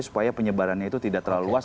supaya penyebarannya itu tidak terlalu luas